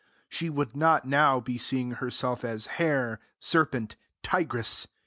She would not now be seeing herself as hare, serpent, tigress!